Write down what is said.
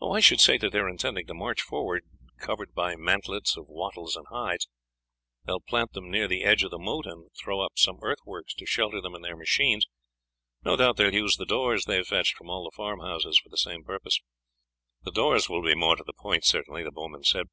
"I should say that they are intending to march forward covered by mantlets of wattles and hides. They will plant them near the edge of the moat, and throw up some earthworks to shelter them and their machines; no doubt they will use the doors they have fetched from all the farmhouses for the same purpose." "The doors will be more to the point, certainly," the bowman said.